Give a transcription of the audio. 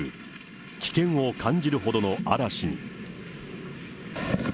危険を感じるほどの嵐に。